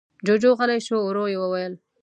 جُوجُو غلی شو. ورو يې وويل: